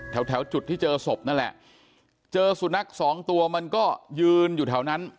แถวแถวจุดที่เจอศพนั่นแหละเจอสุนัขสองตัวมันก็ยืนอยู่แถวนั้น